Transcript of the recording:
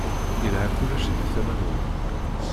Yelha kullec di tama-nwen.